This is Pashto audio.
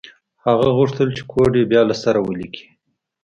هغه غوښتل چې کوډ یې بیا له سره ولیکي